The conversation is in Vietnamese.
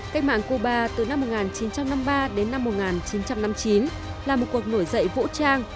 cách mạng cuba từ năm một nghìn chín trăm năm mươi ba đến năm một nghìn chín trăm năm mươi chín là một cuộc nổi dậy vũ trang